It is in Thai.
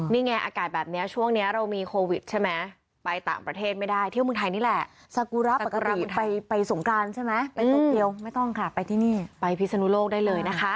นี่ไงอากาศแบบนี้ช่วงนี้เรามีโควิดใช่ไหมไปต่างประเทศไม่ได้เที่ยวเมืองไทยนี่แหละสกุระปกติไปสงกรานใช่ไหมไปสงเกียวไม่ต้องค่ะไปที่นี่ไปพิศนุโลกได้เลยนะคะ